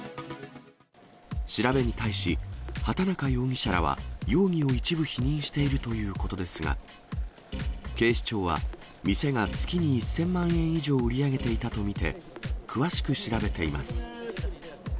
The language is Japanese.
調べに対し、畑中容疑者らは容疑を一部否認しているということですが、警視庁は店が月に１０００万円以上売り上げていたと見て、詳しく調べています。